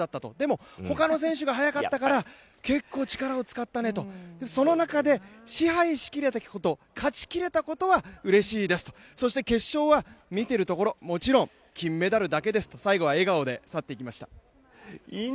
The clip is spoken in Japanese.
でも、ほかの選手が速かったから結構、力を使ったねとその中で、支配し切れたこと勝ち切れたことはうれしいですとそして決勝は、見てるところもちろん金メダルだけですと、最後は笑顔で去って行きました。